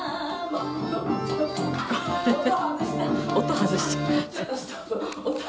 音外した」